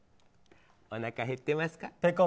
おなか減ってますか。